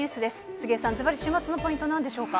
杉江さん、ずばり週末のポイントなんでしょうか？